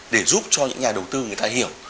để giúp cho những nhà đầu tư người ta hiểu